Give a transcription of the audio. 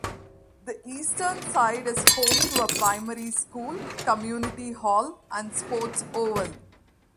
The eastern side is home to a primary school, community hall and sports oval.